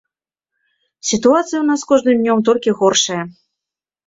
Сітуацыя ў нас з кожным днём толькі горшае.